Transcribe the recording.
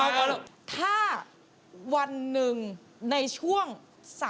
กับพอรู้ดวงชะตาของเขาแล้วนะครับ